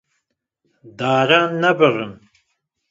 Daran ne birin